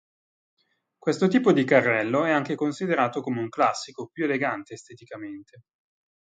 Questo tipo di carrello è anche considerato come un classico, più elegante esteticamente.